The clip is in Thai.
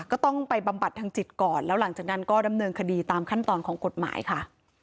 ก็ต้องไปบำบัดทางจิตก่อนแล้วหลังจากนั้นก็ดำเนินคดีตามขั้นตอนของกฎหมายค่ะ